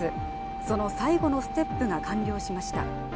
その最後のステップが完了しました。